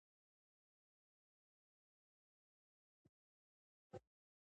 هر انسان ته د درناوي په سترګه وګورئ.